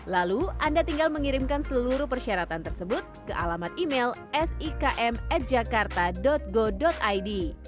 lalu anda tinggal mengirimkan seluruh persyaratan tersebut ke alamat email sikm jakarta go id